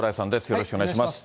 よろしくお願いします。